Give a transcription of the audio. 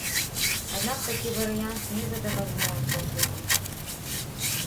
Аднак такі варыянт не задавальняе публіку.